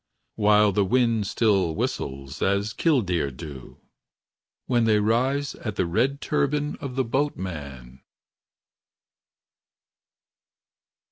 While the wind still whistles As kildeer do. When they rise At the red turban Of the boatman.